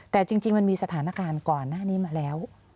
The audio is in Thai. แต่จริงมันมีสถานการณ์ก่อนหน้านี้มาแล้ว